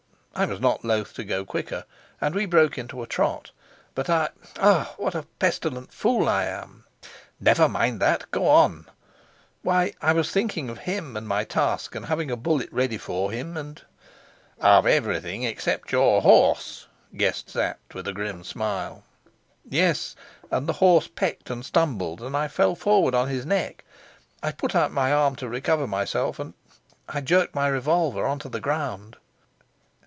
I was not loath to go quicker, and we broke into a trot. But I ah, what a pestilent fool I am!" "Never mind that go on." "Why, I was thinking of him and my task, and having a bullet ready for him, and " "Of everything except your horse?" guessed Sapt, with a grim smile. "Yes; and the horse pecked and stumbled, and I fell forward on his neck. I put out my arm to recover myself, and I jerked my revolver on to the ground."